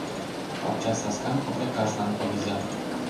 ПАКЧА САСКАМ УРЛЫКАШЛАН КОДЫЗА